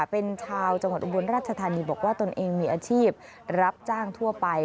เป็นชาวจังหวัดอุบลราชธานีบอกว่าตนเองมีอาชีพรับจ้างทั่วไป